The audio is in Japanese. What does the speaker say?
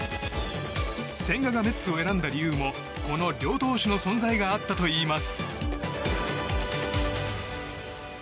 千賀がメッツを選んだ理由もこの両投手の存在があったといいます。